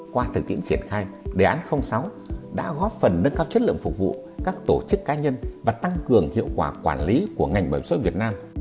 qua thực tiễn triển khai đề án sáu đã góp phần nâng cao chất lượng phục vụ các tổ chức cá nhân và tăng cường hiệu quả quản lý của ngành bảo hiểm xã hội việt nam